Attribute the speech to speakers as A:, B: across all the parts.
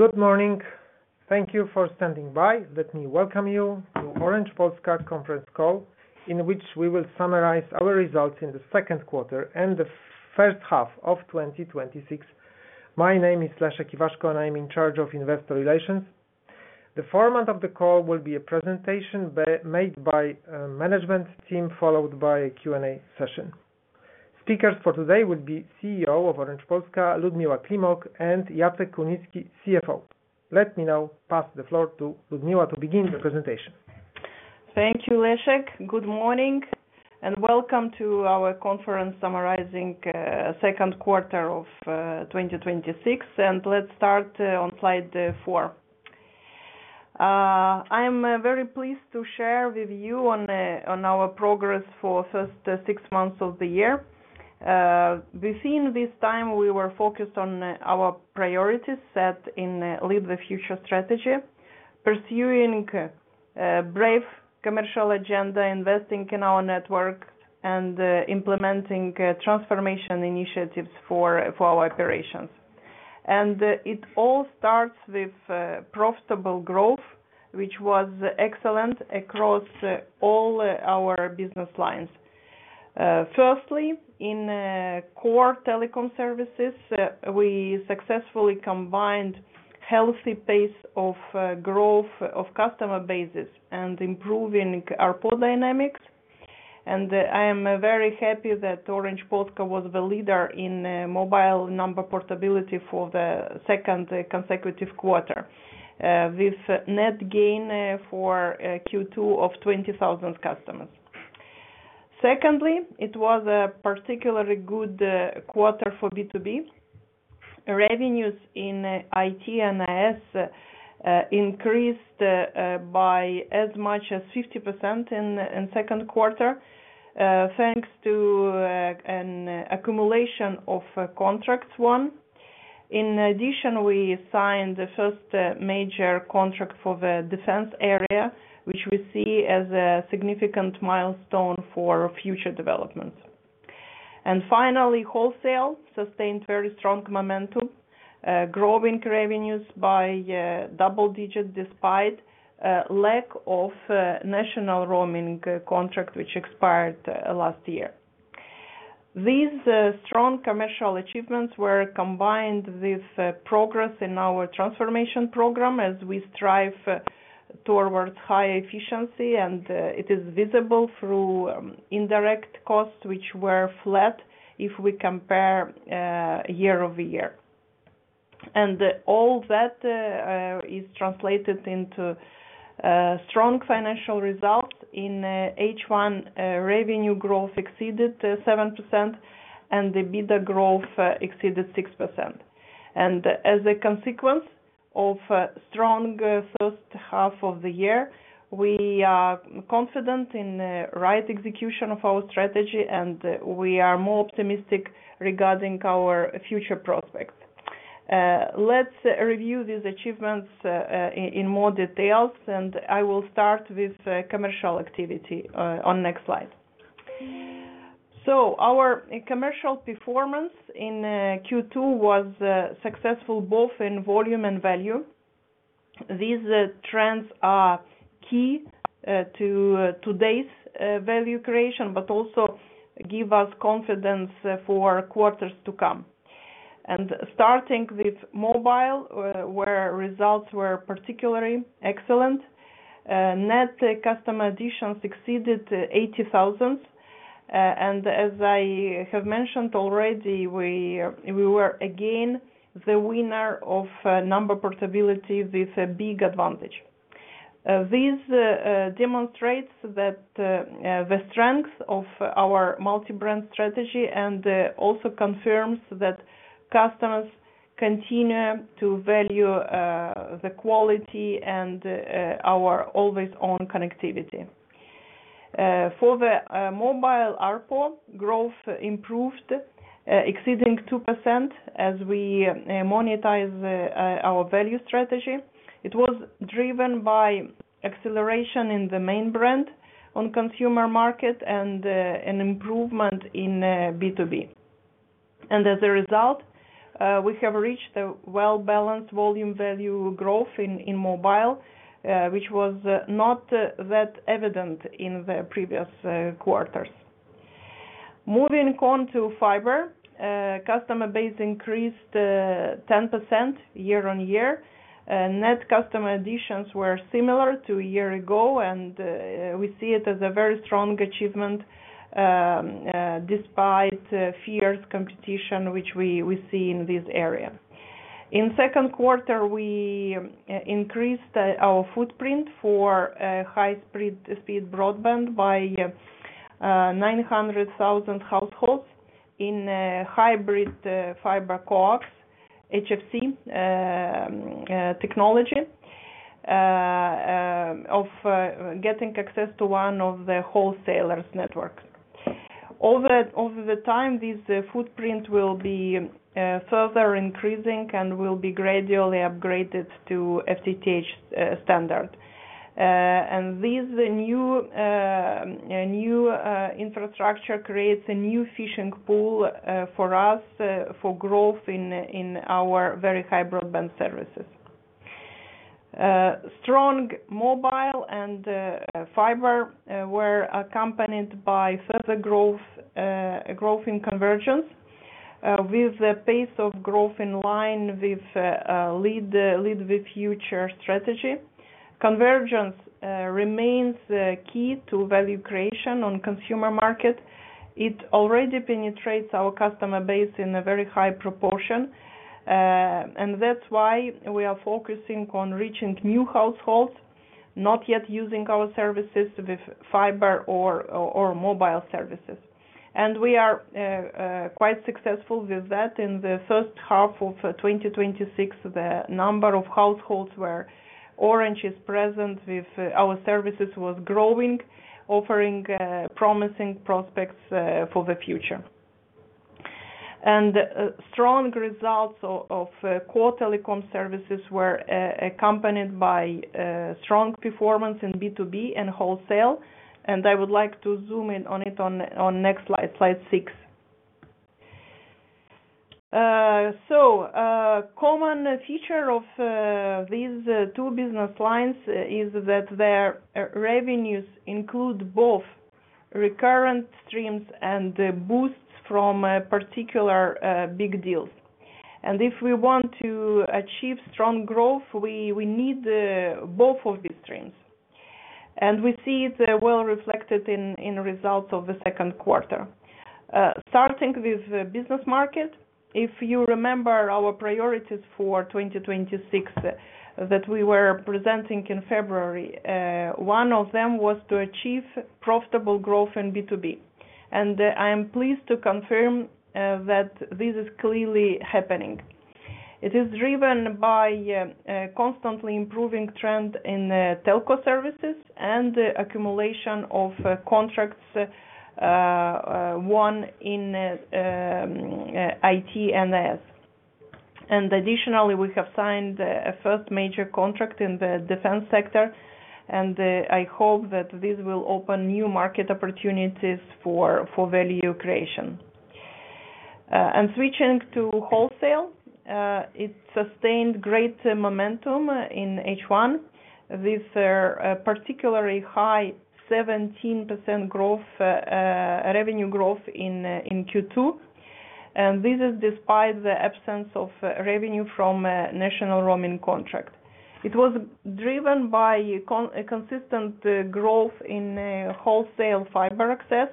A: Good morning. Thank you for standing by. Let me welcome you to Orange Polska conference call, in which we will summarize our results in the second quarter and the first half of 2026. My name is Leszek Iwaszko, and I am in charge of investor relations. The format of the call will be a presentation made by management team, followed by a Q&A session. Speakers for today will be CEO of Orange Polska, Liudmila Climoc, and Jacek Kunicki, CFO. Let me now pass the floor to Liudmila to begin the presentation.
B: Thank you, Leszek. Good morning and welcome to our conference summarizing second quarter of 2026. Let's start on slide four. I am very pleased to share with you on our progress for first six months of the year. Within this time, we were focused on our priorities set in Lead the Future strategy, pursuing brave commercial agenda, investing in our network, and implementing transformation initiatives for our operations. It all starts with profitable growth, which was excellent across all our business lines. Firstly, in core telecom services, we successfully combined healthy pace of growth of customer bases and improving ARPO dynamics. I am very happy that Orange Polska was the leader in mobile number portability for the second consecutive quarter, with net gain for Q2 of 20,000 customers. Secondly, it was a particularly good quarter for B2B. Revenues in IT and IS increased by as much as 50% in second quarter, thanks to an accumulation of contracts won. In addition, we signed the first major contract for the defense area, which we see as a significant milestone for future development. Finally, wholesale sustained very strong momentum, growing revenues by double digit despite lack of national roaming contract, which expired last year. These strong commercial achievements were combined with progress in our transformation program as we strive towards high efficiency, and it is visible through indirect costs, which were flat if we compare year-over-year. All that is translated into strong financial results. In H1, revenue growth exceeded 7% and the EBITDA growth exceeded 6%. As a consequence of strong first half of the year, we are confident in right execution of our strategy, and we are more optimistic regarding our future prospects. Let's review these achievements in more details, I will start with commercial activity on next slide. Our commercial performance in Q2 was successful both in volume and value. These trends are key to today's value creation, but also give us confidence for quarters to come. Starting with mobile, where results were particularly excellent, net customer additions exceeded 80,000. As I have mentioned already, we were again the winner of number portability with a big advantage. This demonstrates that the strength of our multi-brand strategy and also confirms that customers continue to value the quality and our Always On connectivity. For the mobile ARPO, growth improved, exceeding 2% as we monetize our value strategy. It was driven by acceleration in the main brand on consumer market and an improvement in B2B. As a result, we have reached a well-balanced volume-value growth in mobile, which was not that evident in the previous quarters. Moving on to fiber, customer base increased 10% year-on-year. Net customer additions were similar to a year ago, and we see it as a very strong achievement despite fierce competition, which we see in this area. In second quarter, we increased our footprint for high-speed broadband by 900,000 households in hybrid fiber coax, HFC technology of getting access to one of the wholesalers' networks. Over the time, this footprint will be further increasing and will be gradually upgraded to FTTH standard. This new infrastructure creates a new fishing pool for us for growth in our very high broadband services. Strong mobile and fiber were accompanied by further growth in convergence, with the pace of growth in line with Lead the Future strategy. Convergence remains key to value creation on consumer market. It already penetrates our customer base in a very high proportion, that's why we are focusing on reaching new households, not yet using our services with fiber or mobile services. We are quite successful with that. In the first half of 2026, the number of households where Orange is present with our services was growing, offering promising prospects for the future. Strong results of core telecom services were accompanied by strong performance in B2B and wholesale, I would like to zoom in on it on next slide six. Common feature of these two business lines is that their revenues include both recurrent streams and boosts from particular big deals. If we want to achieve strong growth, we need both of these streams. We see it well reflected in results of the second quarter. Starting with business market, if you remember our priorities for 2026 that we were presenting in February, one of them was to achieve profitable growth in B2B. I am pleased to confirm that this is clearly happening. It is driven by a constantly improving trend in telco services and accumulation of contracts, one in IT and IS. Additionally, we have signed a first major contract in the defense sector, I hope that this will open new market opportunities for value creation. Switching to wholesale. It sustained great momentum in H1 with a particularly high 17% revenue growth in Q2. This is despite the absence of revenue from national roaming contract. It was driven by a consistent growth in wholesale fiber access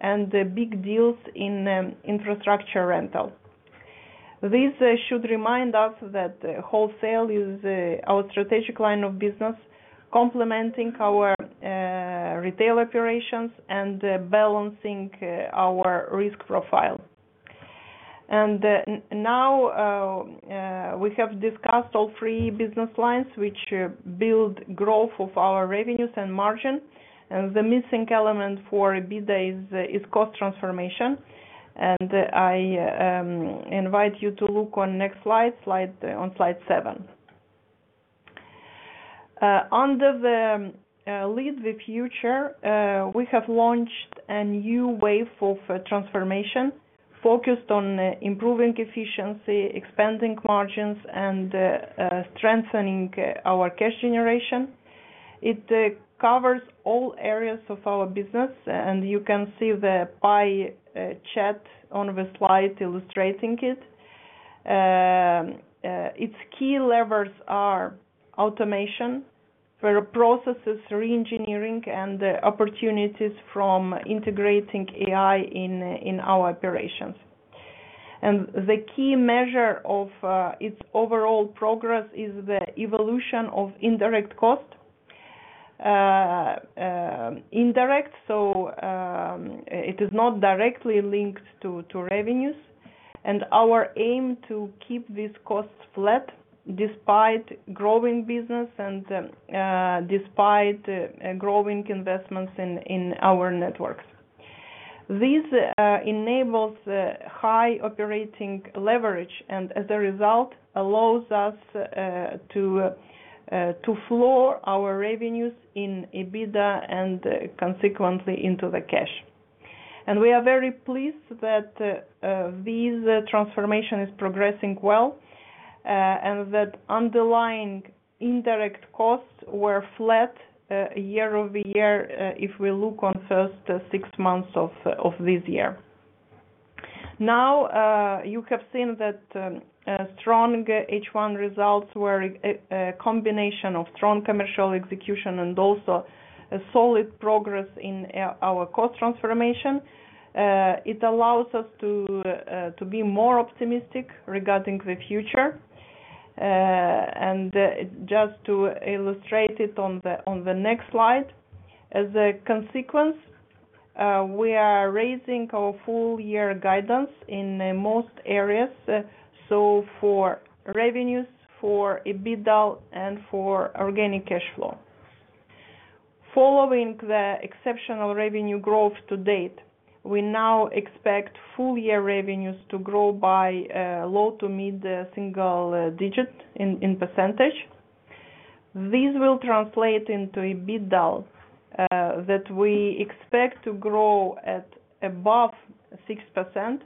B: and big deals in infrastructure rental. This should remind us that wholesale is our strategic line of business, complementing our retail operations and balancing our risk profile. Now we have discussed all three business lines, which build growth of our revenues and margin. The missing element for EBITDA is cost transformation. I invite you to look on next slide, on slide seven. Under the Lead the Future, we have launched a new wave of transformation focused on improving efficiency, expanding margins, and strengthening our cash generation. It covers all areas of our business, you can see the pie chart on the slide illustrating it. Its key levers are automation for processes, re-engineering, and opportunities from integrating AI in our operations. The key measure of its overall progress is the evolution of indirect cost. Indirect, so it is not directly linked to revenues. Our aim to keep this cost flat despite growing business and despite growing investments in our networks. This enables high operating leverage, as a result, allows us to floor our revenues in EBITDA and consequently into the cash. We are very pleased that this transformation is progressing well, and that underlying indirect costs were flat year-over-year, if we look on first six months of this year. You have seen that strong H1 results were a combination of strong commercial execution and also a solid progress in our cost transformation. It allows us to be more optimistic regarding the future. Just to illustrate it on the next slide. As a consequence, we are raising our full-year guidance in most areas, so for revenues, for EBITDA, and for organic cash flow. Following the exceptional revenue growth to date, we now expect full-year revenues to grow by low to mid single-digit in percentage. This will translate into EBITDA that we expect to grow at above 6%.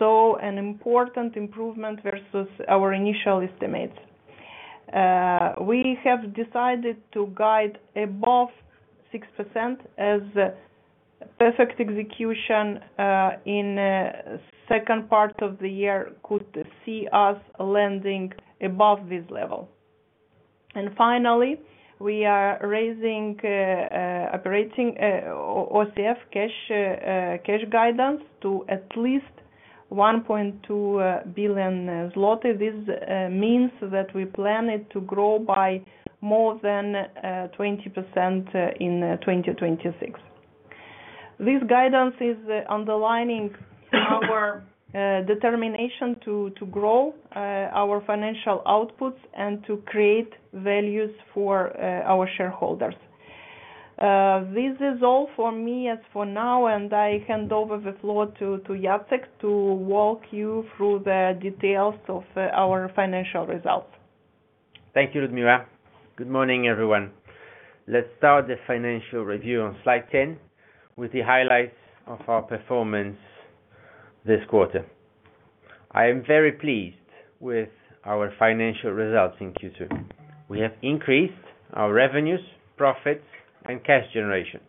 B: An important improvement versus our initial estimates. We have decided to guide above 6% as perfect execution in second part of the year could see us landing above this level. Finally, we are raising operating OCF cash guidance to at least 1.2 billion zloty. This means that we plan it to grow by more than 20% in 2026. This guidance is underlining our determination to grow our financial outputs and to create values for our shareholders. This is all for me as for now, and I hand over the floor to Jacek to walk you through the details of our financial results.
C: Thank you, Liudmila. Good morning, everyone. Let's start the financial review on slide 10 with the highlights of our performance this quarter. I am very pleased with our financial results in Q2. We have increased our revenues, profits, and cash generation.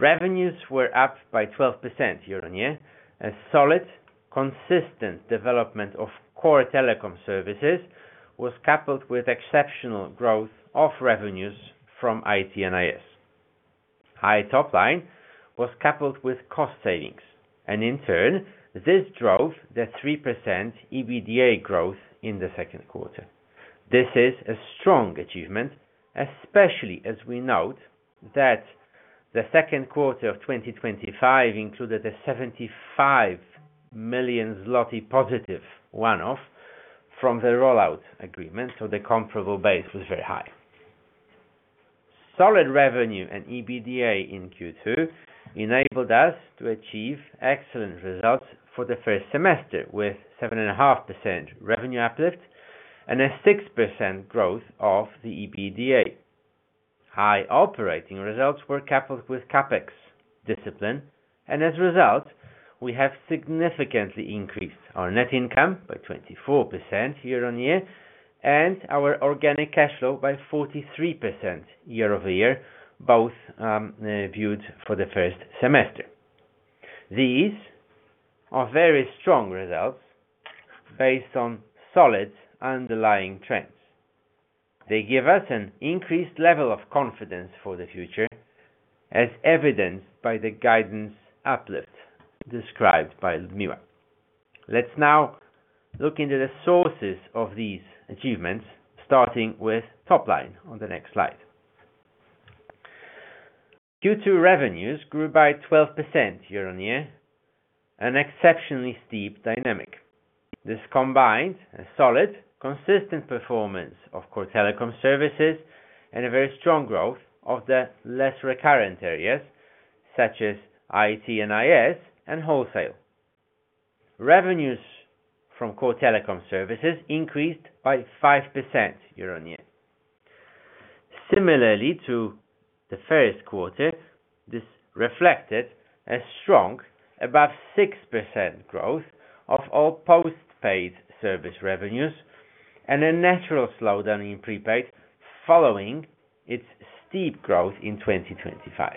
C: Revenues were up by 12% year-on-year. A solid, consistent development of core telecom services was coupled with exceptional growth of revenues from IT and IS. High top line was coupled with cost savings, in turn, this drove the 3% EBITDA growth in the second quarter. This is a strong achievement, especially as we note that the second quarter of 2025 included a 75 million zloty positive one-off from the rollout agreement. The comparable base was very high. Solid revenue and EBITDA in Q2 enabled us to achieve excellent results for the first semester, with 7.5% revenue uplift and a 6% growth of the EBITDA. High operating results were coupled with CapEx discipline, as a result, we have significantly increased our net income by 24% year-on-year and our organic cash flow by 43% year-over-year. Both viewed for the first semester. These are very strong results based on solid underlying trends. They give us an increased level of confidence for the future, as evidenced by the guidance uplift described by Liudmila. Let's now look into the sources of these achievements, starting with top line on the next slide. Q2 revenues grew by 12% year-on-year, an exceptionally steep dynamic. This combines a solid, consistent performance of core telecom services and a very strong growth of the less recurrent areas such as IT and IS and wholesale. Revenues from core telecom services increased by 5% year-on-year. Similarly to the first quarter, this reflected a strong above 6% growth of all post-paid service revenues and a natural slowdown in prepaid following its steep growth in 2025.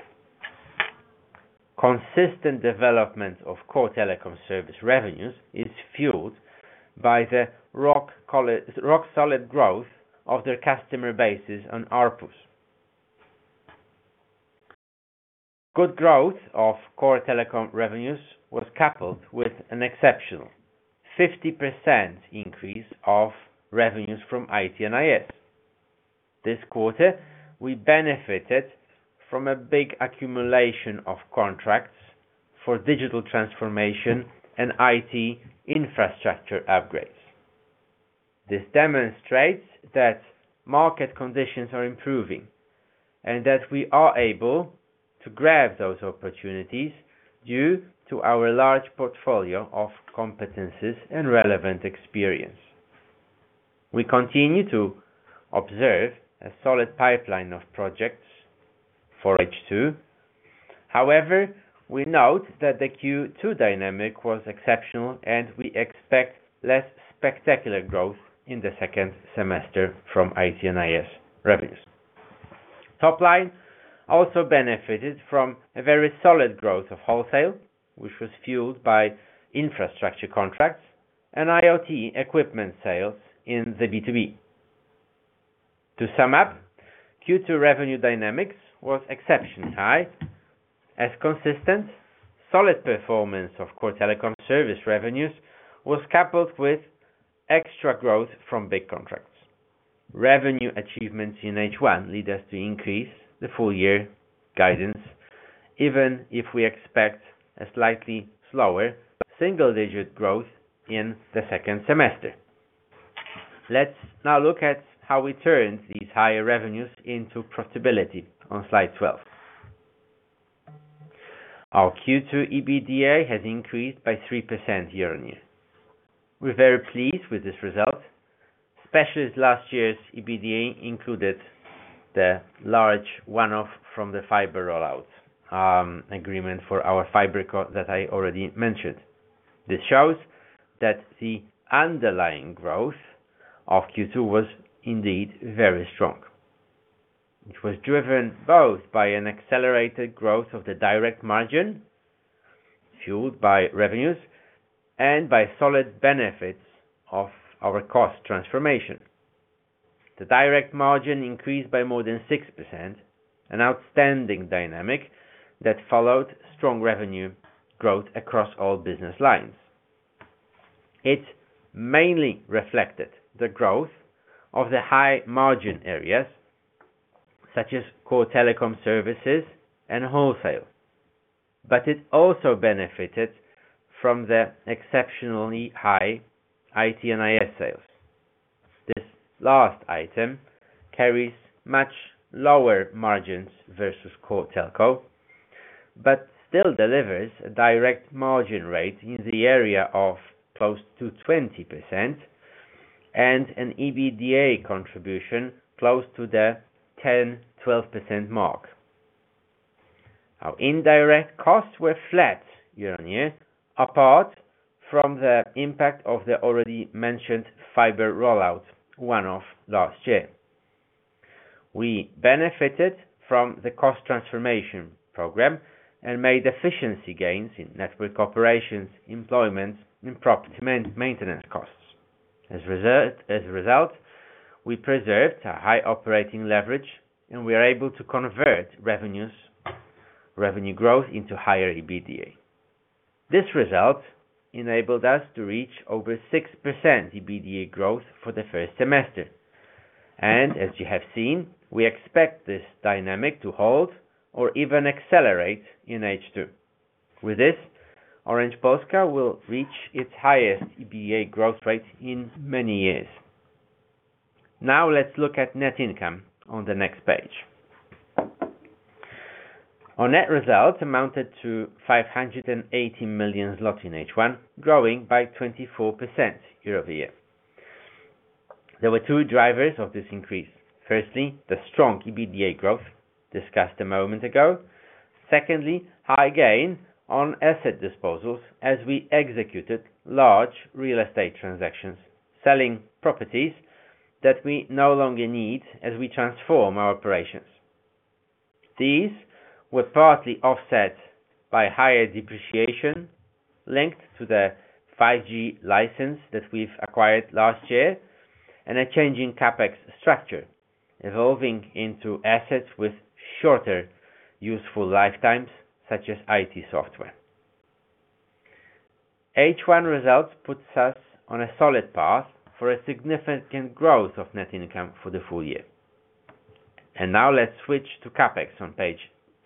C: Consistent development of core telecom service revenues is fueled by the rock-solid growth of their customer bases and ARPUs. Good growth of core telecom revenues was coupled with an exceptional 50% increase of revenues from IT and IS. This quarter, we benefited from a big accumulation of contracts for digital transformation and IT infrastructure upgrades. This demonstrates that market conditions are improving and that we are able to grab those opportunities due to our large portfolio of competencies and relevant experience. We continue to observe a solid pipeline of projects for H2. We note that the Q2 dynamic was exceptional and we expect less spectacular growth in the second semester from IT and IS revenues. Top line also benefited from a very solid growth of wholesale, which was fueled by infrastructure contracts and IoT equipment sales in the B2B. To sum up, Q2 revenue dynamics was exceptionally high as consistent, solid performance of core telecom service revenues was coupled with extra growth from big contracts. Revenue achievements in H1 lead us to increase the full year guidance, even if we expect a slightly slower single-digit growth in the second semester. Let's now look at how we turn these higher revenues into profitability on slide 12. Our Q2 EBITDA has increased by 3% year-over-year. We're very pleased with this result, especially as last year's EBITDA included the large one-off from the fiber rollout agreement for our fiber that I already mentioned. This shows that the underlying growth of Q2 was indeed very strong, which was driven both by an accelerated growth of the direct margin, fueled by revenues and by solid benefits of our cost transformation. The direct margin increased by more than 6%, an outstanding dynamic that followed strong revenue growth across all business lines. It mainly reflected the growth of the high-margin areas, such as core telecom services and wholesale, but it also benefited from the exceptionally high IT and IS sales. This last item carries much lower margins versus core telco, but still delivers a direct margin rate in the area of close to 20% and an EBITDA contribution close to the 10%-12% mark. Our indirect costs were flat year-over-year, apart from the impact of the already mentioned fiber rollout one-off last year. We benefited from the cost transformation program and made efficiency gains in network operations, employment, and property maintenance costs. As a result, we preserved a high operating leverage, and we are able to convert revenue growth into higher EBITDA. This result enabled us to reach over 6% EBITDA growth for the first semester. As you have seen, we expect this dynamic to hold or even accelerate in H2. With this, Orange Polska will reach its highest EBITDA growth rate in many years. Let's look at net income on the next page. Our net results amounted to 580 million zlotys in H1, growing by 24% year-over-year. There were two drivers of this increase. Firstly, the strong EBITDA growth discussed a moment ago. Secondly, high gain on asset disposals as we executed large real estate transactions, selling properties that we no longer need as we transform our operations. These were partly offset by higher depreciation linked to the 5G license that we've acquired last year and a change in CapEx structure evolving into assets with shorter useful lifetimes, such as IT software. H1 results puts us on a solid path for a significant growth of net income for the full year. Now let's switch to CapEx on page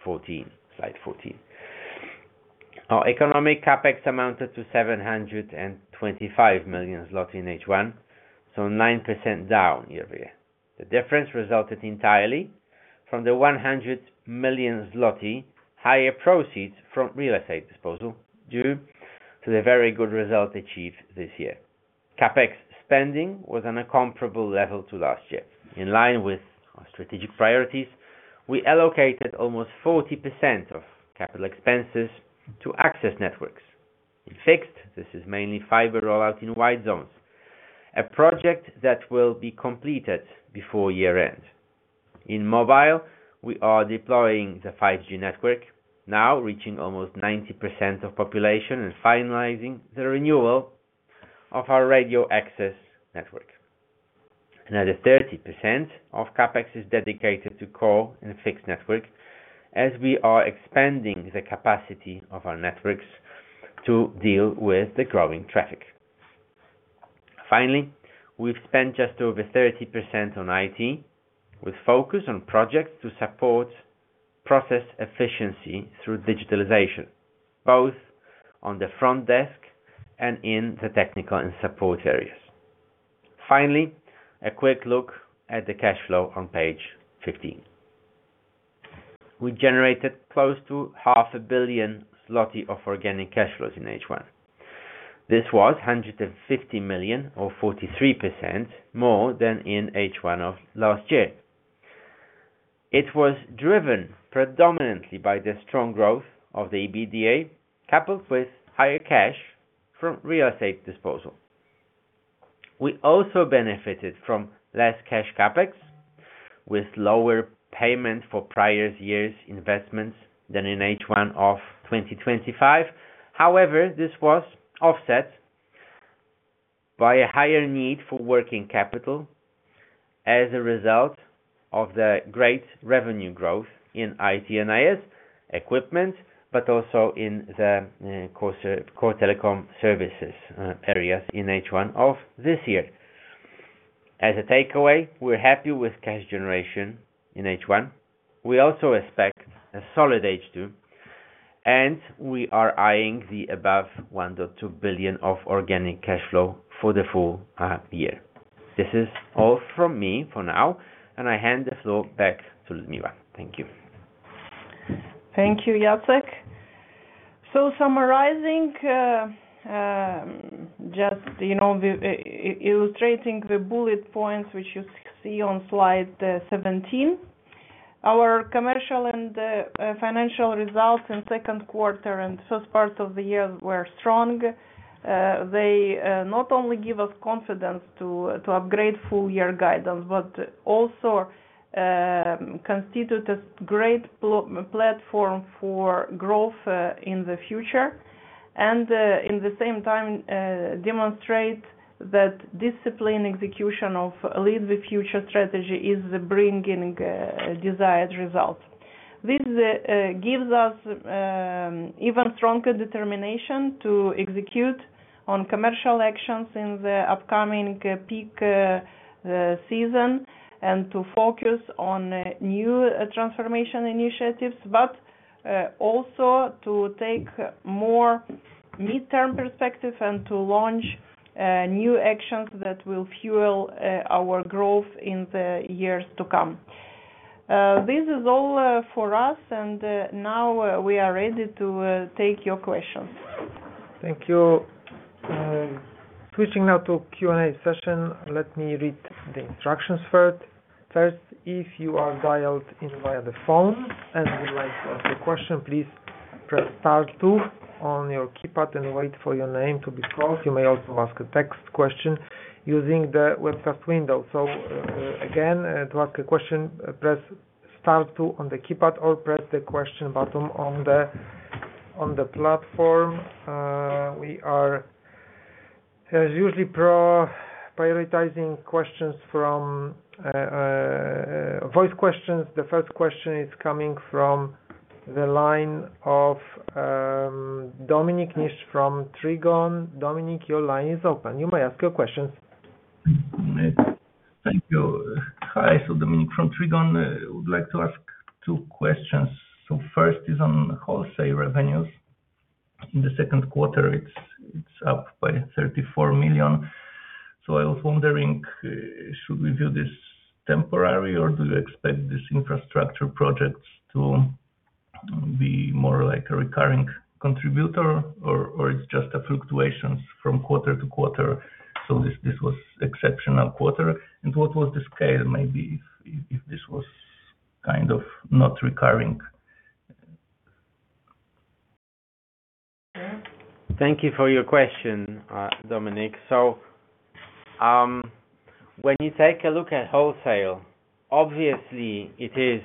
C: 14, slide 14. Our economic CAPEX amounted to 725 million zloty in H1, 9% down year-over-year. The difference resulted entirely from the 100 million zloty higher proceeds from real estate disposal due to the very good result achieved this year. CapEx spending was on a comparable level to last year. In line with our strategic priorities, we allocated almost 40% of capital expenses to access networks. In fixed, this is mainly fiber rollout in white zones, a project that will be completed before year-end. In mobile, we are deploying the 5G network, now reaching almost 90% of population and finalizing the renewal of our radio access network. Another 30% of CapEx is dedicated to core and fixed network, as we are expanding the capacity of our networks to deal with the growing traffic. Finally, we've spent just over 30% on IT, with focus on projects to support process efficiency through digitalization, both on the front desk and in the technical and support areas. Finally, a quick look at the cash flow on page 15. We generated close to 500 million zloty of organic cash flows in H1. This was 150 million or 43% more than in H1 of last year. It was driven predominantly by the strong growth of the EBITDA, coupled with higher cash from real estate disposal. We also benefited from less cash CapEx, with lower payment for prio years investment than in H1 of 2025. However, this was offset by a higher need for working capital as a result of the great revenue growth in IT and IS equipment, but also in the core telecom services areas in H1 of this year. As a takeaway, we're happy with cash generation in H1. We also expect a solid H2. We are eyeing the above 1.2 billion of organic cash flow for the full year. This is all from me for now. I hand the floor back to Liudmila. Thank you.
B: Thank you, Jacek. Summarizing, just illustrating the bullet points which you see on slide 17. Our commercial and financial results in second quarter and first part of the year were strong. They not only give us confidence to upgrade full-year guidance, but also constitute a great platform for growth in the future and, in the same time, demonstrate that discipline execution of Lead the Future strategy is bringing desired results. This gives us even stronger determination to execute on commercial actions in the upcoming peak season and to focus on new transformation initiatives, but also to take more mid-term perspective and to launch new actions that will fuel our growth in the years to come. This is all for us. Now we are ready to take your questions.
A: Thank you. Switching now to Q&A session. Let me read the instructions first. First, if you are dialed in via the phone and would like to ask a question, please press star two on your keypad and wait for your name to be called. You may also ask a text question using the webcast window. Again, to ask a question, press star two on the keypad or press the question button on the platform. We are as usually prioritizing voice questions. The first question is coming from the line of Dominik Niszcz from Trigon. Dominik, your line is open. You may ask your questions.
D: Thank you. Hi. Dominik from Trigon. Would like to ask two questions. First is on wholesale revenues. In the second quarter, it's up by 34 million. I was wondering, should we view this temporary, or do you expect these infrastructure projects to be more like a recurring contributor, or it's just a fluctuation from quarter-to-quarter, this was exceptional quarter? What was the scale, maybe, if this was kind of not recurring?
C: Thank you for your question, Dominik. When you take a look at wholesale, obviously it is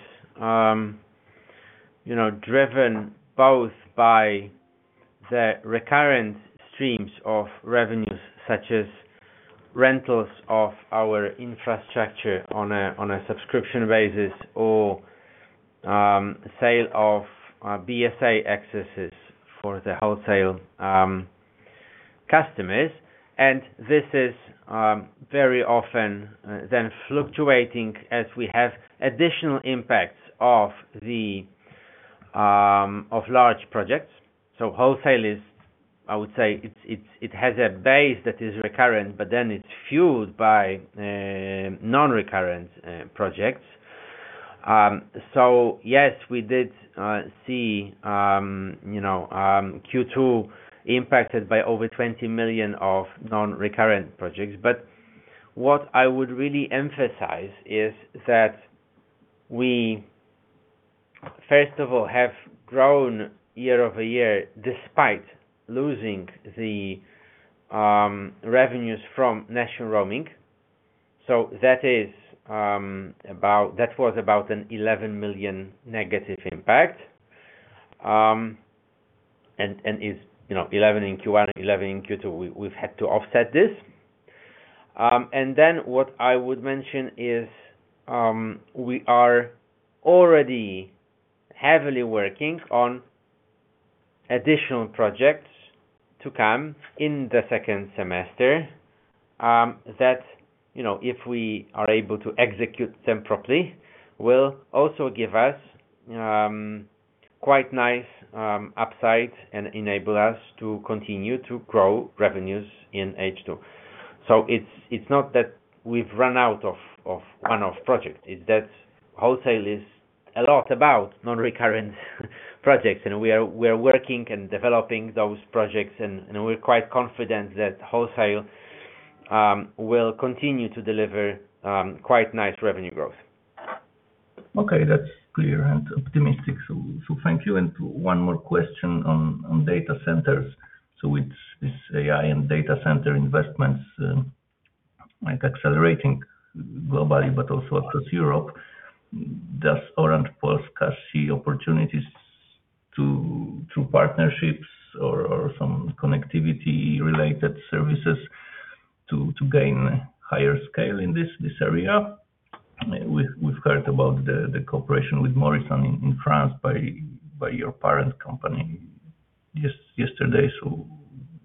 C: driven both by the recurrent streams of revenues, such as rentals of our infrastructure on a subscription basis or sale of BSA accesses for the wholesale customers. This is very often then fluctuating as we have additional impacts of large projects. Wholesale is, I would say, it has a base that is recurrent, it's fueled by non-recurrent projects. Yes, we did see Q2 impacted by over 20 million of non-recurrent projects. What I would really emphasize is that we, first of all, have grown year-over-year despite losing the revenues from national roaming. That was about a 11 million negative impact. Is 11 million in Q1, 11 million in Q2, we've had to offset this. What I would mention is we are already heavily working on additional projects to come in the second semester that if we are able to execute them properly, will also give us quite nice upside and enable us to continue to grow revenues in H2. It's not that we've run out of one-off projects. It's that wholesale is a lot about non-recurrent projects, we are working and developing those projects, we're quite confident that wholesale will continue to deliver quite nice revenue growth.
D: Okay. That's clear and optimistic. Thank you. One more question on data centers. With this AI and data center investments accelerating globally but also across Europe, does Orange Polska see opportunities through partnerships or some connectivity-related services to gain higher scale in this area? We've heard about the cooperation with Morrison in France by your parent company just yesterday.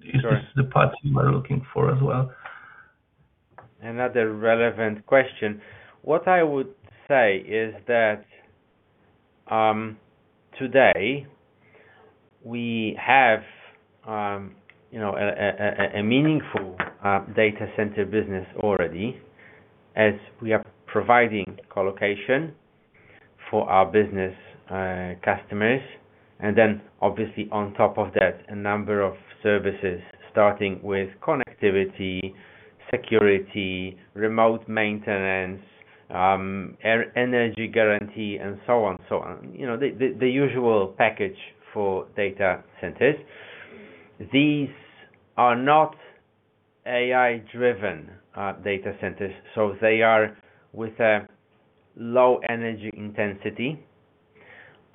D: Is this the path you are looking for as well?
C: Another relevant question. What I would say is that today we have a meaningful data center business already, as we are providing collocation for our business customers. Obviously on top of that, a number of services starting with connectivity, security, remote maintenance, energy guarantee, and so on. The usual package for data centers. These are not AI-driven data centers, so they are with a low energy intensity,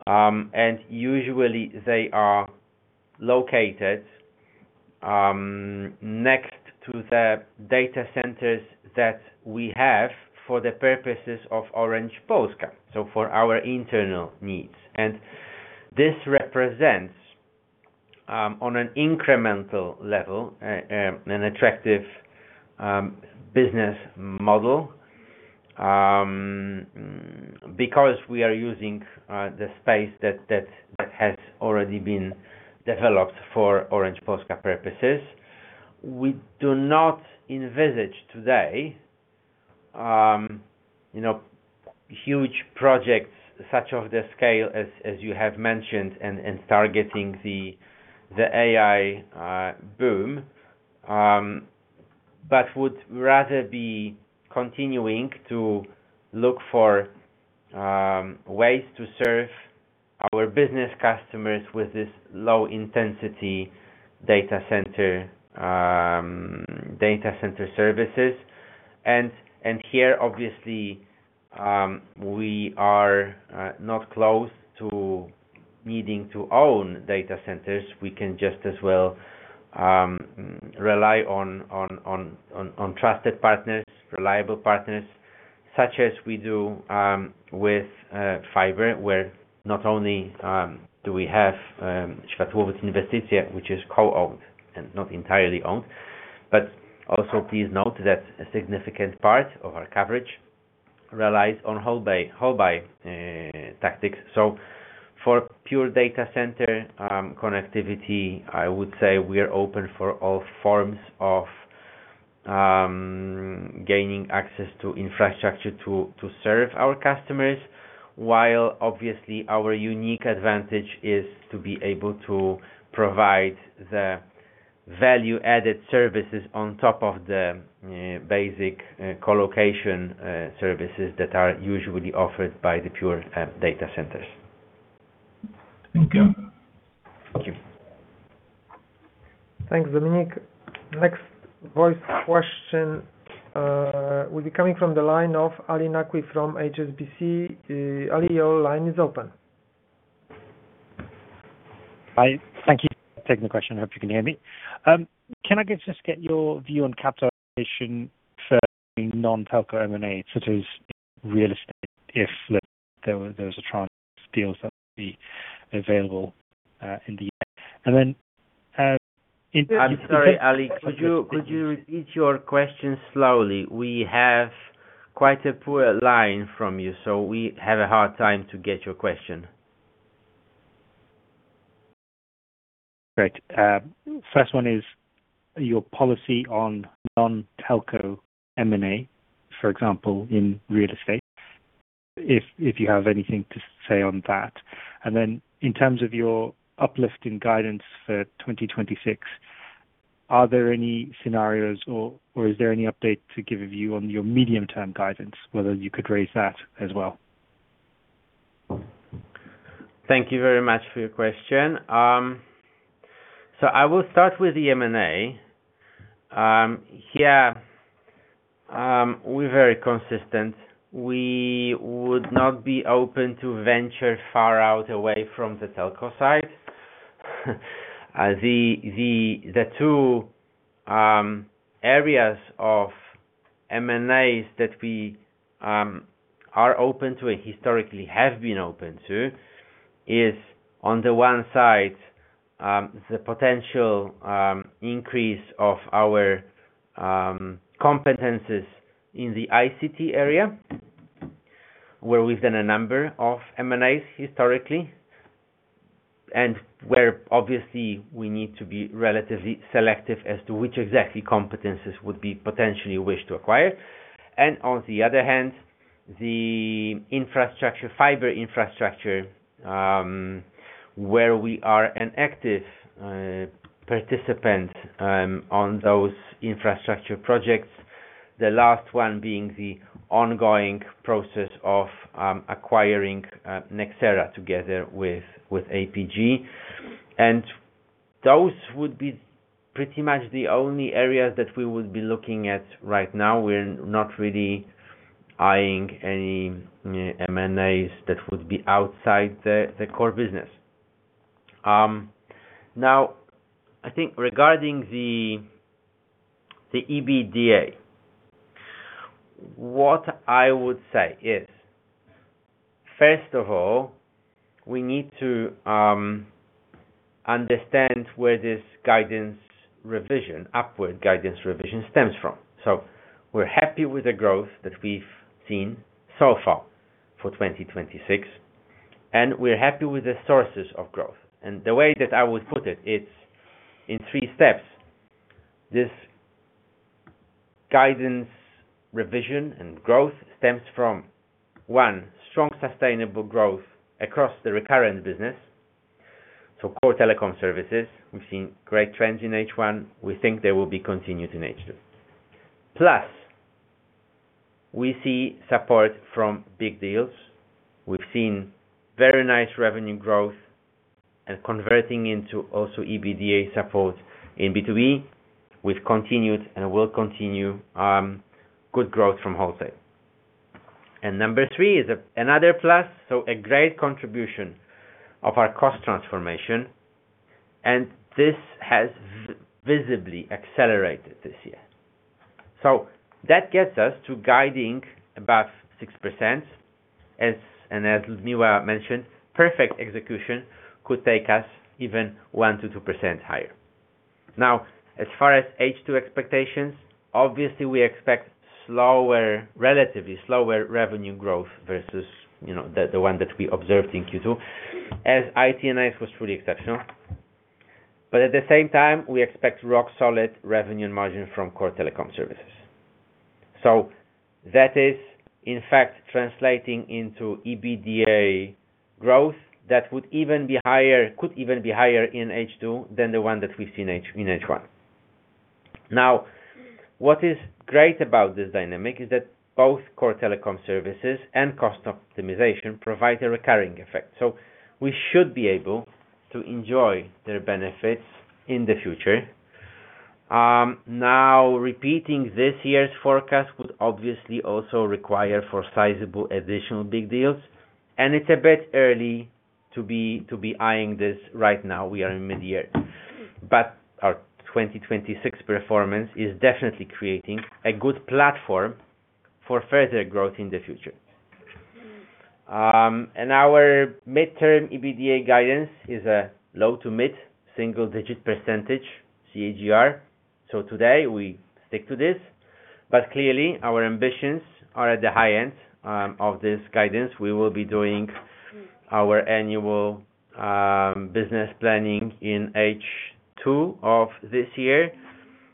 C: and usually they are located next to the data centers that we have for the purposes of Orange Polska, so for our internal needs. This represents, on an incremental level, an attractive business model, because we are using the space that has already been developed for Orange Polska purposes. We do not envisage today huge projects such of the scale as you have mentioned and targeting the AI boom, but would rather be continuing to look for ways to serve our business customers with this low-intensity data center services. Here, obviously, we are not close to needing to own data centers. We can just as well rely on trusted partners, reliable partners, such as we do with fiber, where not only do we have Światłowód Inwestycje, which is co-owned and not entirely owned, but also please note that a significant part of our coverage relies on wholesale tactics. For pure data center connectivity, I would say we are open for all forms of gaining access to infrastructure to serve our customers, while obviously our unique advantage is to be able to provide the value-added services on top of the basic collocation services that are usually offered by the pure data centers.
D: Thank you.
C: Thank you.
A: Thanks, Dominik. Next voice question will be coming from the line of Ali Naqvi from HSBC. Ali, your line is open.
E: Hi. Thank you for taking the question. Hope you can hear me. Can I just get your view on capitalization for any non-telco M&A, such as real estate, if there was a chance deals that would be available in the end?
C: I'm sorry, Ali. Could you repeat your question slowly? We have quite a poor line from you. We have a hard time to get your question.
E: Great. First one is your policy on non-telco M&A, for example, in real estate, if you have anything to say on that. In terms of your uplift in guidance for 2026, are there any scenarios or is there any update to give a view on your medium-term guidance, whether you could raise that as well?
C: Thank you very much for your question. I will start with the M&A. Here, we're very consistent. We would not be open to venture far out away from the telco side. The two areas of M&As that we are open to, and historically have been open to, is on the one side, the potential increase of our competencies in the ICT area, where we've done a number of M&As historically, and where obviously we need to be relatively selective as to which exactly competencies would be potentially wish to acquire. On the other hand, the fiber infrastructure, where we are an active participant on those infrastructure projects. The last one being the ongoing process of acquiring Nexera together with APG. Those would be pretty much the only areas that we would be looking at right now. We're not really eyeing any M&As that would be outside the core business. I think regarding the EBITDA, what I would say is First of all, we need to understand where this upward guidance revision stems from. We're happy with the growth that we've seen so far for 2026, and we're happy with the sources of growth. The way that I would put it's in three steps. This guidance, revision, and growth stems from, one, strong sustainable growth across the recurrent business. Core telecom services, we've seen great trends in H1. We think they will be continued in H2. Plus, we see support from big deals. We've seen very nice revenue growth and converting into also EBITDA support in [B2B] with continued and will continue good growth from wholesale. Number three is another plus, a great contribution of our cost transformation, and this has visibly accelerated this year. That gets us to guiding above 6%, and as Liudmila mentioned, perfect execution could take us even 1%-2% higher. As far as H2 expectations, obviously, we expect relatively slower revenue growth versus the one that we observed in Q2 as IT and IS was truly exceptional. At the same time, we expect rock-solid revenue margin from core telecom services. That is, in fact, translating into EBITDA growth that could even be higher in H2 than the one that we've seen in H1. What is great about this dynamic is that both core telecom services and cost optimization provide a recurring effect, we should be able to enjoy their benefits in the future. Repeating this year's forecast would obviously also require for sizable additional big deals, and it's a bit early to be eyeing this right now, we are in mid-year. Our 2026 performance is definitely creating a good platform for further growth in the future. Our midterm EBITDA guidance is a low to mid-single-digit percentage CAGR. Today we stick to this, clearly our ambitions are at the high end of this guidance. We will be doing our annual business planning in H2 of this year,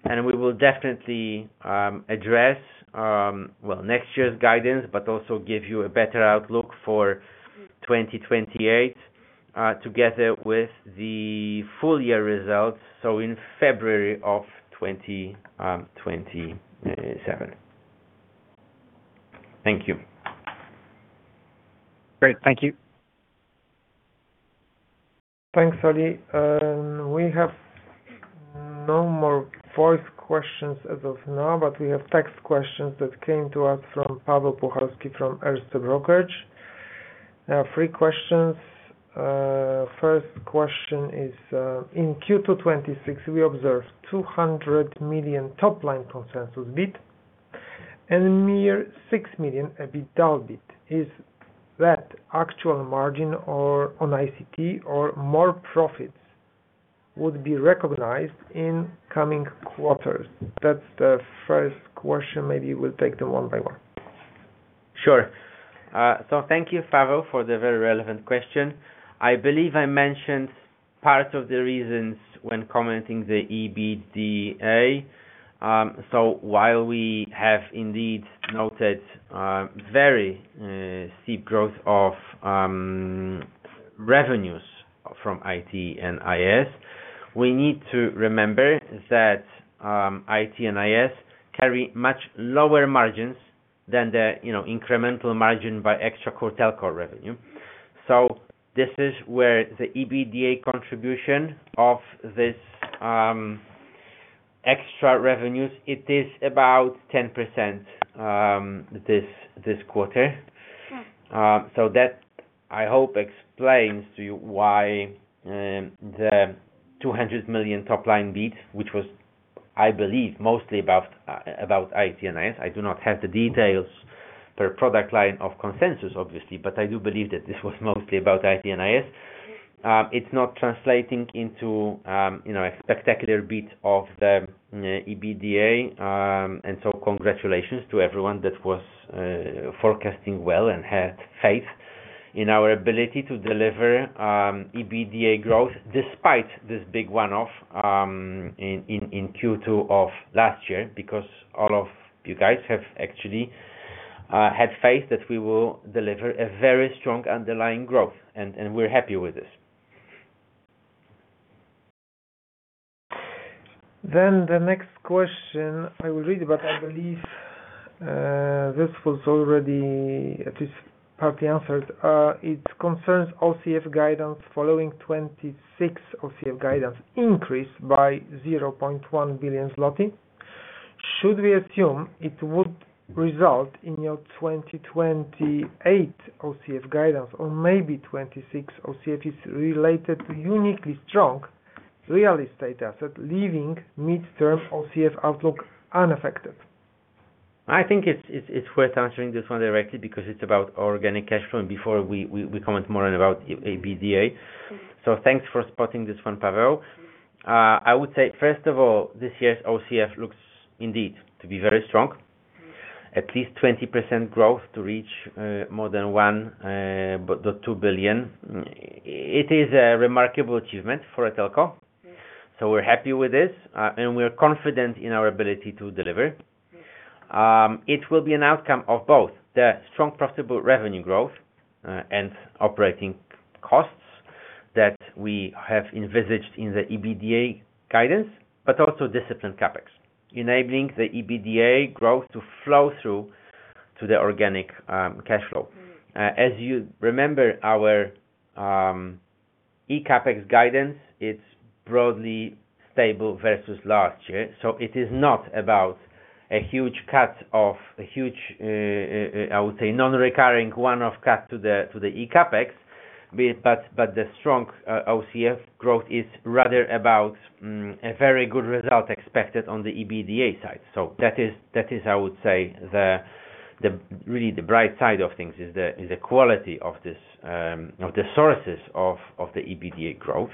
C: we will definitely address, next year's guidance, also give you a better outlook for 2028, together with the full year results, in February of 2027. Thank you.
E: Great. Thank you.
A: Thanks, Ali. We have no more voice questions as of now, we have text questions that came to us from Paweł Puchalski from Erste Brokerage. Three questions. First question is, in Q2 2026, we observed 200 million top line consensus beat and a mere 6 million EBITDA beat. Is that actual margin or on ICT or more profits would be recognized in coming quarters? That's the first question. Maybe we'll take them one by one.
C: Sure. Thank you, Paweł, for the very relevant question. I believe I mentioned part of the reasons when commenting the EBITDA. While we have indeed noted very steep growth of revenues from IT and IS, we need to remember that IT and IS carry much lower margins than the incremental margin by extra core telco revenue. This is where the EBITDA contribution of these extra revenues, it is about 10% this quarter. That, I hope, explains to you why the 200 million top line beat, which was, I believe, mostly about IT and IS. I do not have the details per product line of consensus, obviously, but I do believe that this was mostly about IT and IS. It's not translating into a spectacular beat of the EBITDA, congratulations to everyone that was forecasting well and had faith in our ability to deliver EBITDA growth despite this big one-off in Q2 of last year, because all of you guys have actually had faith that we will deliver a very strong underlying growth, and we're happy with this.
A: The next question I will read, but I believe this was already at least partly answered. It concerns OCF guidance following 2026 OCF guidance increase by 0.1 billion zloty. Should we assume it would result in your 2028 OCF guidance or maybe 2026 OCF is related to uniquely strong real estate asset, leaving midterm OCF outlook unaffected?
C: I think it's worth answering this one directly because it's about organic cash flow, and before we comment more about EBITDA. Thanks for spotting this one, Paweł. I would say, first of all, this year's OCF looks indeed to be very strong. At least 20% growth to reach more than 1.2 billion. It is a remarkable achievement for a telco. We're happy with this, and we're confident in our ability to deliver. It will be an outcome of both the strong profitable revenue growth and operating costs that we have envisaged in the EBITDA guidance, but also disciplined CapEx, enabling the EBITDA growth to flow through to the organic cash flow. As you remember, our eCAPEX guidance, it's broadly stable versus last year. It is not about a huge cut of a huge, I would say, non-recurring one-off cut to the eCAPEX, but the strong OCF growth is rather about a very good result expected on the EBITDA side. That is, I would say, really the bright side of things is the quality of the sources of the EBITDA growth.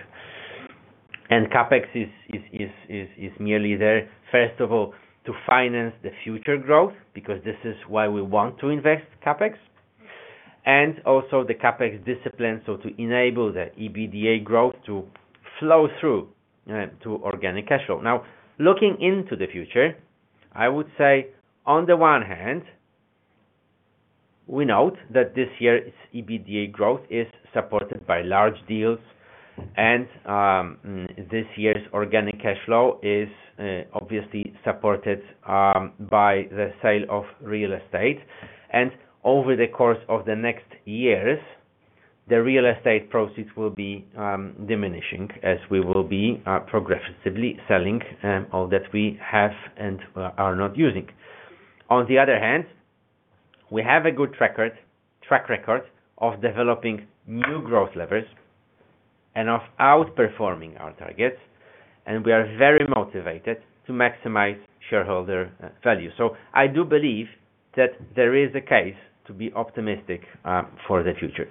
C: CapEx is merely there, first of all, to finance the future growth, because this is why we want to invest CapEx, and also the CapEx discipline, to enable the EBITDA growth to flow through to organic cash flow. Looking into the future, I would say, on the one hand, we note that this year's EBITDA growth is supported by large deals and this year's organic cash flow is obviously supported by the sale of real estate. Over the course of the next years, the real estate proceeds will be diminishing as we will be progressively selling all that we have and are not using. On the other hand, we have a good track record of developing new growth levers and of outperforming our targets, and we are very motivated to maximize shareholder value. I do believe that there is a case to be optimistic for the future.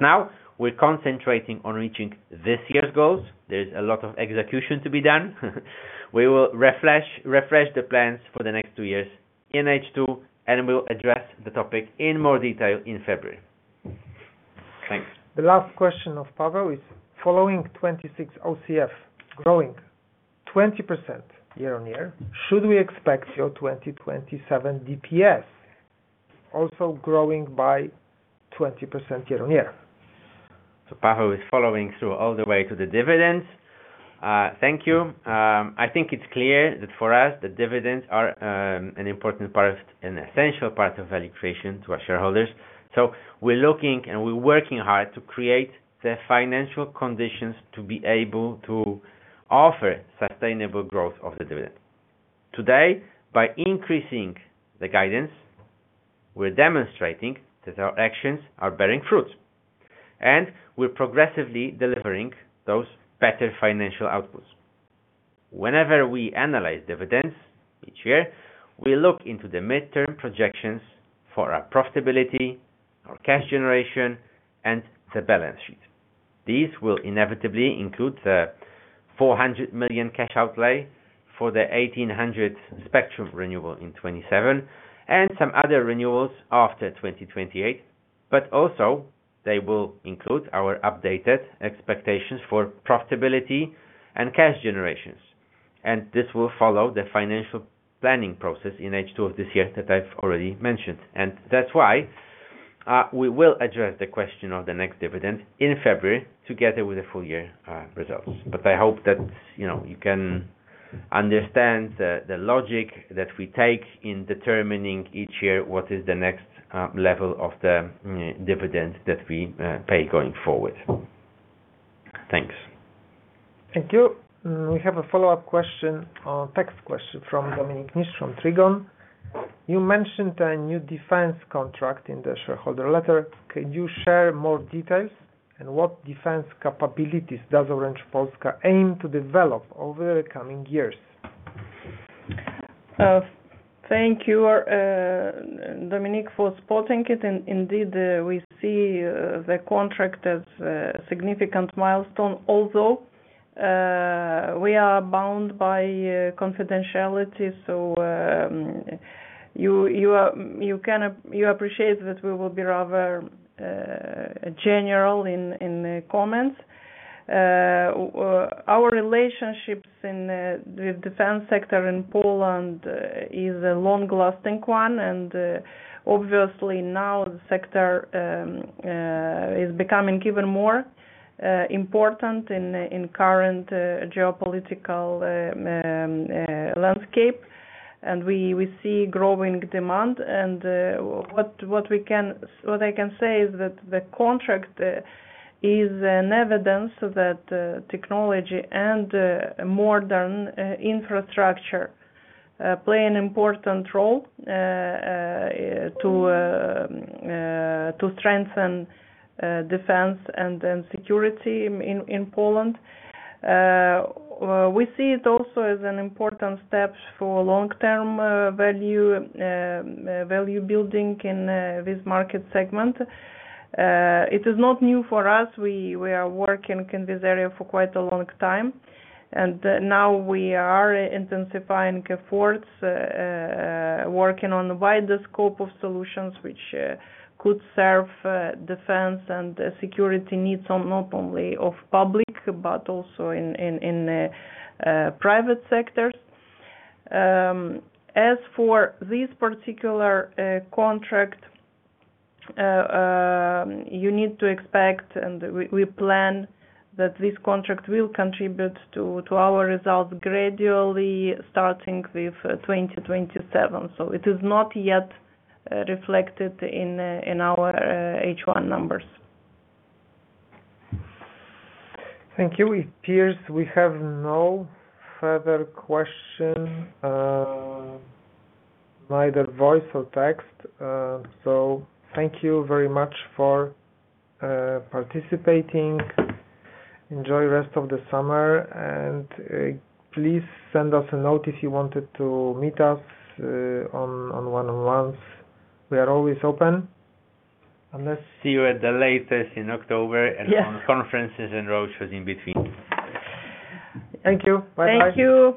C: Now we're concentrating on reaching this year's goals. There is a lot of execution to be done. We will refresh the plans for the next two years in H2, and we'll address the topic in more detail in February. Thanks.
A: The last question of Paweł is, following 2026 OCF growing 20% year-on-year, should we expect your 2027 DPS also growing by 20% year-on-year?
C: Paweł is following through all the way to the dividends. Thank you. I think it's clear that for us, the dividends are an important part of, an essential part of value creation to our shareholders. We're looking and we're working hard to create the financial conditions to be able to offer sustainable growth of the dividend. Today, by increasing the guidance, we're demonstrating that our actions are bearing fruit, and we're progressively delivering those better financial outputs. Whenever we analyze dividends each year, we look into the midterm projections for our profitability, our cash generation, and the balance sheet. These will inevitably include the 400 million cash outlay for the 1,800 spectrum renewal in 2027, and some other renewals after 2028. Also they will include our updated expectations for profitability and cash generations. This will follow the financial planning process in H2 of this year that I've already mentioned. That's why we will address the question of the next dividend in February together with the full year results. I hope that you can understand the logic that we take in determining each year what is the next level of the dividend that we pay going forward. Thanks.
A: Thank you. We have a follow-up question, text question from Dominik Niszcz from Trigon. You mentioned a new defense contract in the shareholder letter. Can you share more details? What defense capabilities does Orange Polska aim to develop over the coming years?
B: Thank you, Dominik, for spotting it. Indeed, we see the contract as a significant milestone, although we are bound by confidentiality. You appreciate that we will be rather general in the comments. Our relationships with defense sector in Poland is a long-lasting one. Obviously now the sector is becoming even more important in current geopolitical landscape. We see growing demand. What I can say is that the contract is an evidence that technology and modern infrastructure play an important role to strengthen defense and security in Poland. We see it also as an important step for long-term value building in this market segment. It is not new for us. We are working in this area for quite a long time. Now we are intensifying efforts, working on a wider scope of solutions which could serve defense and security needs not only of public, but also in private sectors. As for this particular contract, you need to expect, we plan that this contract will contribute to our results gradually, starting with 2027. It is not yet reflected in our H1 numbers.
A: Thank you. It appears we have no further question, neither voice or text. Thank you very much for participating. Enjoy rest of the summer, and please send us a note if you wanted to meet us on one-on-ones. We are always open.
C: Let's see you at the latest in October and on conferences and roadshows in between.
A: Thank you. Bye-bye.
B: Thank you.